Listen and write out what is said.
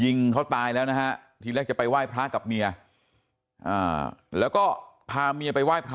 ยิงเขาตายแล้วนะฮะทีแรกจะไปไหว้พระกับเมียแล้วก็พาเมียไปไหว้พระ